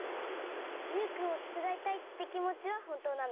ユウくんをてつだいたいってきもちはほんとうなの。